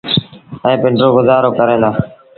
ائيٚݩ پنڊرو گزآرو ڪريݩ دآ۔